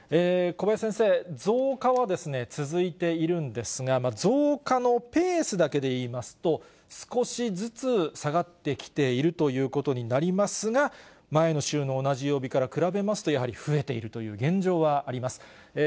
小林先生、増加は続いているんですが、増加のペースだけでいいますと、少しずつ下がってきているということになりますが、前の週の同じ曜日から比べますと、やはり増えているという現状はあります。